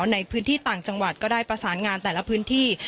ในพื้นที่ต่างจังหวัดก็ได้ประสานงานแต่ละพื้นที่